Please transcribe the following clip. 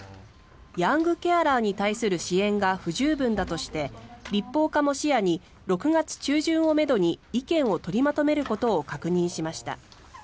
ヤングケアラーに対する支援が不十分だとして立法化も視野に６月中旬をめどに意見を取りまとめることを確認しました。